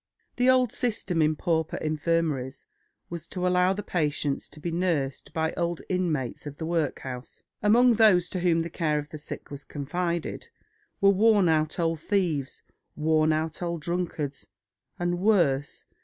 The old system in pauper infirmaries was to allow the patients to be "nursed" by old inmates of the workhouse. Among those to whom the care of the sick was confided were "worn out old thieves, worn out old drunkards," and worse.